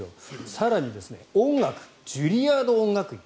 更に、音楽ジュリアード音楽院。